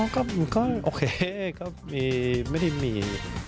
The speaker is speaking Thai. ก็โอเคก็ไม่ได้มี